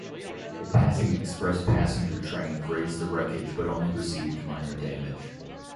A passing express passenger train grazed the wreckage but only received minor damage.